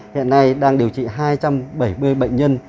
hiện nay đang điều trị hai trăm bảy mươi bệnh nhân